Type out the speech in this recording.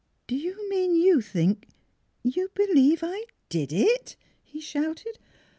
" Do you mean you think you believe I did it?" he shouted.